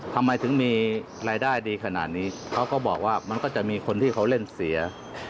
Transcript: ทำไมถึงมีรายได้ดีขนาดนี้เขาก็บอกว่ามันก็จะมีคนที่เขาเล่นเสีย